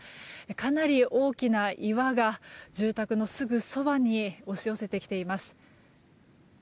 かなり大きな岩が住宅のすぐそばに押し寄せてきています。